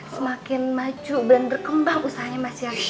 semakin maju dan berkembang usahanya masyarakat